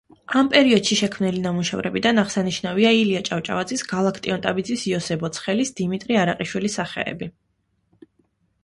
ამავე პერიოდში შექმნილი ნამუშევრებიდან აღსანიშნავია ილია ჭავჭავაძის, გალაკტიონ ტაბიძის, იოსებ ოცხელის, დიმიტრი არაყიშვილის სახეები.